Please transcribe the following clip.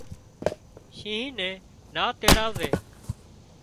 شينهن نين نا تيڙاوزي